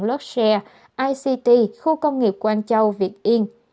lodshare ict khu công nghiệp quang châu việt yên